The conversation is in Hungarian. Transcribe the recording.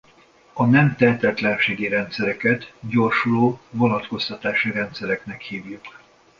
A nem tehetetlenségi rendszereket gyorsuló vonatkoztatási rendszereknek hívjuk.